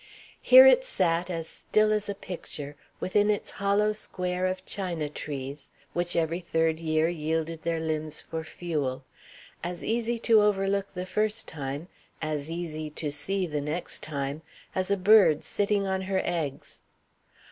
Here it sat, as still as a picture, within its hollow square of China trees, which every third year yielded their limbs for fuel; as easy to overlook the first time as easy to see the next time as a bird sitting on her eggs.